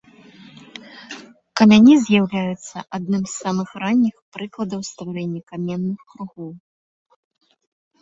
Камяні з'яўляюцца адным з самых ранніх прыкладаў стварэння каменных кругоў.